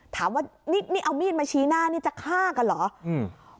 ถามว่านี่นี่เอามีดมาชี้หน้านี่จะฆ่ากันเหรออืม